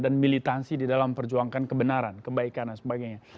dan militansi di dalam perjuangan kebenaran kebaikan dan sebagainya